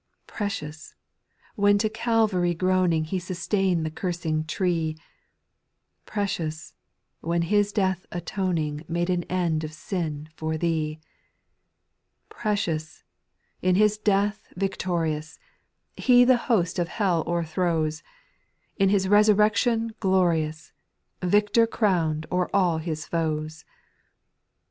8. Precious — when to Calvary groaning He sustain'd the cursed tree ; Precious — when His death atoning Made an end of sin for thee. 4. Precious — in His death victorious, He the host of hell overthrows ; In Ilis resurrection glorious, Victor crown'd o'er all His foes.